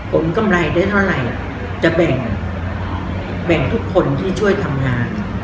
กำไรได้เท่าไหร่จะแบ่งทุกคนที่ช่วยทำงาน